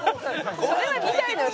それは見たいのよ。